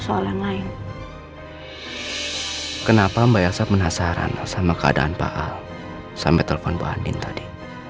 soal yang lain kenapa mbak elsa penasaran sama keadaan pak al sampai telepon pak andi tadi